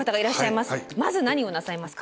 まず何をなさいますか？